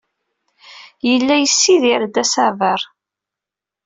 Yella yessidir-d asaber.